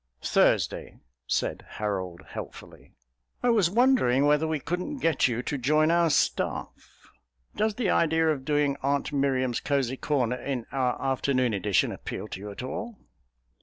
"Thursday," said Harold helpfully. "I was wondering whether we couldn't get you to join our staff. Does the idea of doing Aunt Miriam's Cosy Corner in our afternoon edition appeal to you at all?"